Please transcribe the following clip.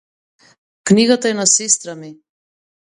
Книгата е на сестра ми.